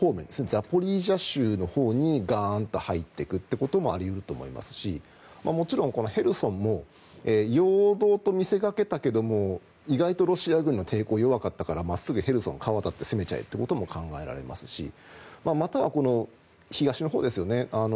ザポリージャ州のほうにガーンと入っていくこともあり得ると思いますしもちろんヘルソンも陽動と見せかけたけども意外とロシア軍の抵抗が弱かったから真っすぐヘルソン川を渡って攻めちゃえということも考えられますしまたは東のほうですよね。